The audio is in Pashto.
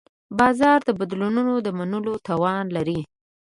بازار د بدلونونو د منلو توان لري.